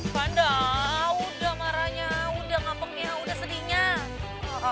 panda udah marahnya udah ngambeknya udah sedihnya